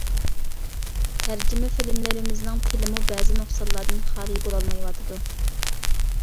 تەرجىمە فىلىملىرىمىزنىڭ تىلىمۇ بەزى نۇقسانلاردىن خالىي بولالمايۋاتىدۇ.